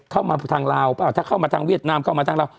ทางลาวเปล่าถ้าเข้ามาทางเวียดนามเข้ามาทางลาว